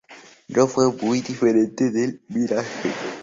No fue muy diferente del Mirage.